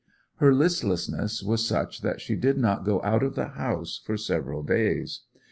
Her listlessness was such that she did not go out of the house for several days.